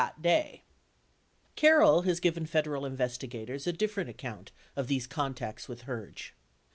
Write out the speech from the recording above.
483 Carroll has given Federal investigators a different account of these contacts with Herge.